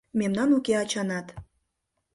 Мемнан уке ачанат